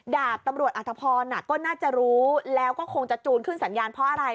ดาบตำรวจอธพรก็น่าจะรู้แล้วก็คงจะจูนขึ้นสัญญาณเพราะอะไร